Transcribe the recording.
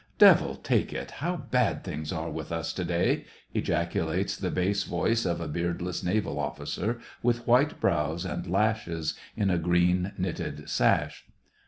" Devil take it, how bad things are with us to day!" ejaculates the bass voice of a beardless naval officer, with white brows and lashes, in a green knitted sash.